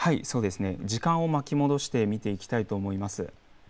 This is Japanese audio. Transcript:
時間を巻き戻して見ていきたいと思います。